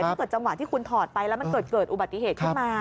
จังหวะที่คุณถอดไปแล้วมันเกิดอุบัติเหตุขึ้นมา